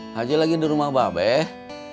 haji lagi di rumah babeh